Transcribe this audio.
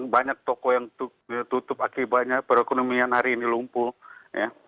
banyak toko yang ditutup akibatnya perekonomian hari ini lumpuh